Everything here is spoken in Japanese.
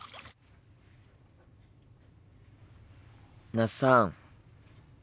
那須さん。